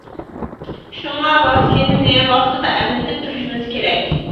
شۇڭا ۋاكسىنىنى ۋاقتىدا ئەملىتىپ تۇرۇشىمىز كېرەك.